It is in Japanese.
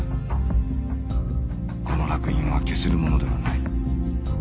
この烙印は消せるものではない